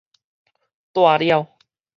蹛了